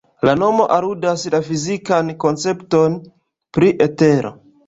La nomo aludas la fizikan koncepton pri etero.